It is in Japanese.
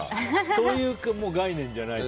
そういう概念じゃないと。